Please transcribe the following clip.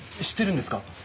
知ってるんですか？